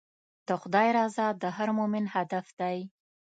د خدای رضا د هر مؤمن هدف دی.